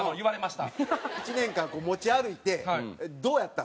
１年間持ち歩いてどうやったの？